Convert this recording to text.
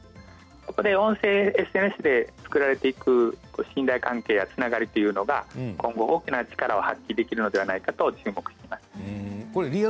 そこで音声ＳＮＳで作られていく信頼関係やつながりというのが今後大きな力を発揮できるのではないかと注目しています。